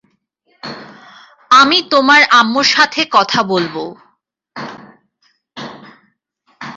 আমি তোমার আম্মুর সাথে কথা বলব।